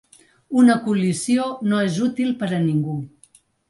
Una col·lisió no és útil per a ningú.